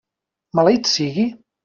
Maleït sigui!